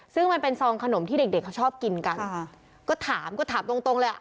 ซึ่งมันเป็นซองขนมที่เด็กเด็กเขาชอบกินกันอ่าก็ถามก็ถามตรงตรงเลยอ่ะ